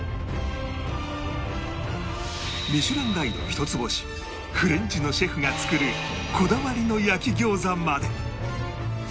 『ミシュランガイド』一つ星フレンチのシェフが作るこだわりの焼き餃子まで